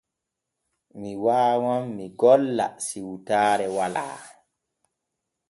Mi waawan mi golla siwtaare walaa.